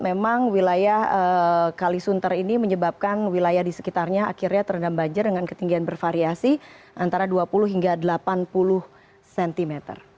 memang wilayah kalisunter ini menyebabkan wilayah di sekitarnya akhirnya terendam banjir dengan ketinggian bervariasi antara dua puluh hingga delapan puluh cm